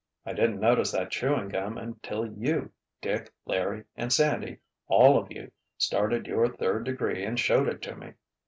I didn't notice that chewing gum until you, Dick, Larry and Sandy—all of you—started your third degree and showed it to me.